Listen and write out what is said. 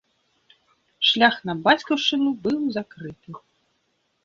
Шлях на бацькаўшчыну быў закрыты.